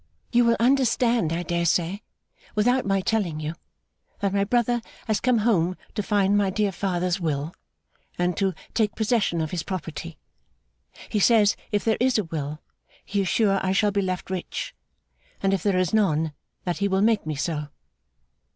'You will understand, I dare say, without my telling you, that my brother has come home to find my dear father's will, and to take possession of his property. He says, if there is a will, he is sure I shall be left rich; and if there is none, that he will make me so.